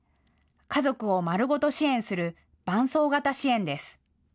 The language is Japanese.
家族をまるごと支援する伴走型支援です。